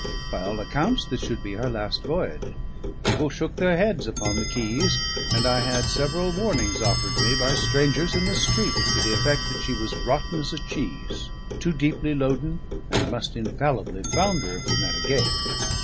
By all accounts this should be her last voyage; people shook their heads upon the quays, and I had several warnings offered me by strangers in the street to the effect that she was rotten as a cheese, too deeply loaden, and must infallibly founder if we met a gale.